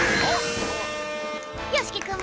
よしきくん